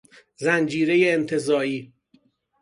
زنجیره انتزاعی